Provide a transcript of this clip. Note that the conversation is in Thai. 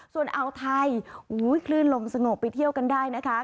ส่วนอ่าวไทยคลื่นลมสงบไปเที่ยวกันได้นะคะ